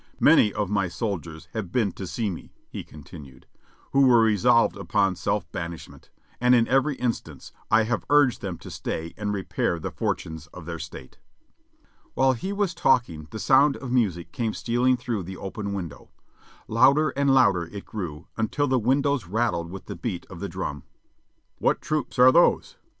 "Many of my soldiers have been to see me," he continued, "who were re solved upon self banishment, and in every instance I have urged them to stay and repair the fortunes of their State." While he was talking the sound of music came stealing through the open window ; louder and louder it grew, until the windows rattled with the beat of the drum. "What troops are those?"